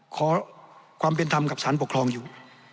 ขอความเป็นธรรมกับสารปกครองอยู่